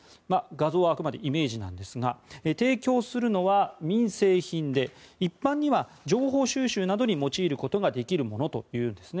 画像はあくまでイメージなんですが提供するのは民生品で一般には情報収集などに用いることができるということです。